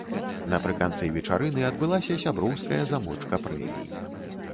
Напрыканцы вечарыны адбылася сяброўская замочка прэмій.